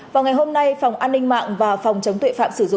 vào ngày hôm nay phòng an ninh mạng và phòng chính trị